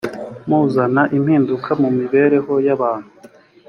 muzana impinduka mu mibereho y ‘abantu.